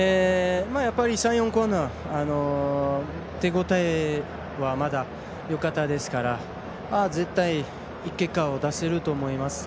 ３４コーナー手応えは、まだよかったですから絶対、いい結果を出せたと思います。